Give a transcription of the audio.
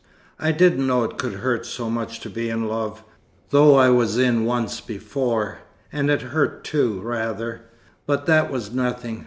I didn't know it could hurt so much to be in love, though I was in once before, and it hurt too, rather. But that was nothing.